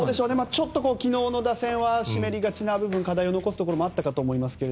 ちょっと昨日の打線は湿りがちな部分課題を残すところもあったかと思いますが。